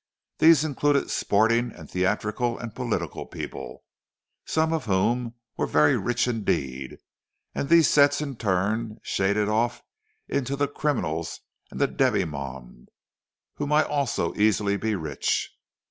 These included "sporting" and theatrical and political people, some of whom were very rich indeed; and these sets in turn shaded off into the criminals and the demi monde—who might also easily be rich.